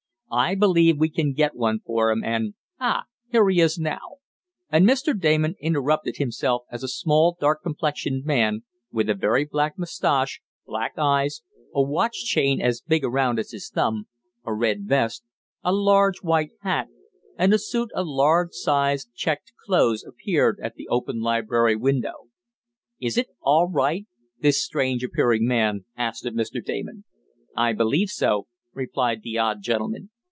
I believe we can get one for him, and Ah, here he is now," and Mr. Damon interrupted himself as a small, dark complexioned man, with a very black mustache, black eyes, a watch chain as big around as his thumb, a red vest, a large white hat, and a suit of large sized checked clothes appeared at the open library window. "Is it all right?" this strange appearing man asked of Mr. Damon. "I believe so," replied the odd gentleman.